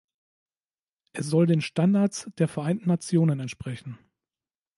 Es soll den Standards der Vereinten Nationen entsprechen.